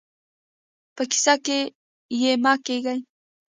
په کيسه کې يې مه کېږئ.